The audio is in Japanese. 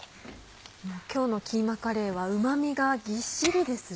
今日のキーマカレーはうま味がギッシリですね。